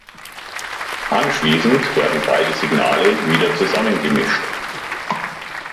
Anschließend werden beide Signale wieder zusammengemischt.